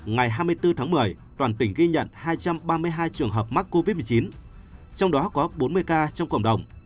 ngày hai mươi bốn tháng một mươi toàn tỉnh ghi nhận hai trăm ba mươi hai trường hợp mắc covid một mươi chín trong đó có bốn mươi ca trong cộng đồng